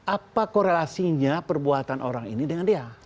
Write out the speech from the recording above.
apa korelasinya perbuatan orang ini dengan dia